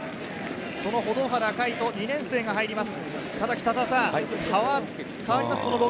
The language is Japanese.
その保土原海翔、２年生が入ります。